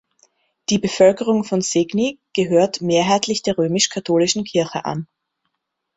Die Bevölkerung von Segni gehört mehrheitlich der römisch-katholischen Kirche an.